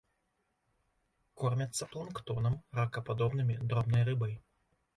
Кормяцца планктонам, ракападобнымі, дробнай рыбай.